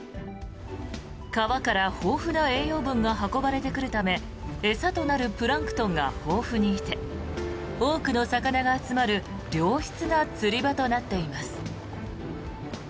川から豊富な栄養分が運ばれてくるため餌となるプランクトンが豊富にいて多くの魚が集まる良質な釣り場となっています。